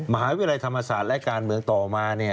มหาวิทยาลัยธรรมศาสตร์และการเมืองต่อมา